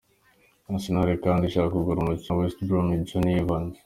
Arsenal kandi ishaka kugura umukinyi wa West Brom Jonny Evans.